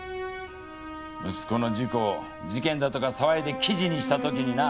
息子の事故を事件だとか騒いで記事にしたときにな。